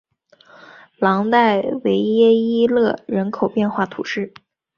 朗代维耶伊勒人口变化图示